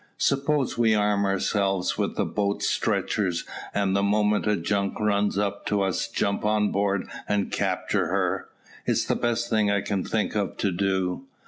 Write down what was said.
"Suppose we arm ourselves with the boat's stretchers, and the moment a junk runs up to us jump on board and capture her? It's the best thing I can think of to do."